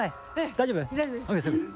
大丈夫？